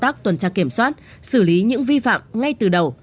tác tuần tra kiểm soát xử lý những vi phạm ngay từ đầu